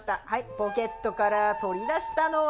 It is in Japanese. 「ポケットから取り出したのは」。